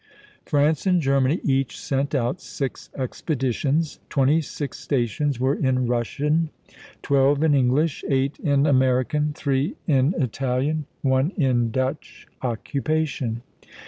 France and Germany each sent out six expeditions; twenty six stations were in Russian, twelve in English, eight in American, three in Italian, one in Dutch occupation.